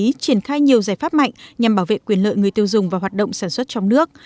đã triển khai nhiều giải pháp mạnh nhằm bảo vệ quyền lợi người tiêu dùng và hoạt động sản xuất trong nước